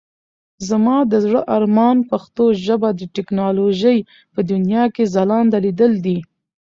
زما د زړه ارمان پښتو ژبه د ټکنالوژۍ په دنيا کې ځلانده ليدل دي.